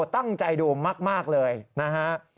ตั้งใจดูมากเลยนะฮะ